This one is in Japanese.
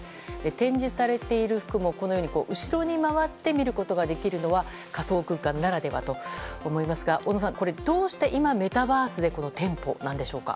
展示されている服もこのように後ろに回って見ることができるのは仮想空間ならではと思いますが小野さんどうして今メタバースで店舗なんですか？